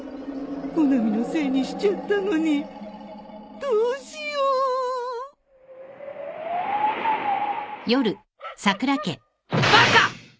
穂波のせいにしちゃったのにどうしようバカ！